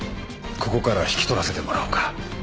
ここからは引き取らせてもらおうか。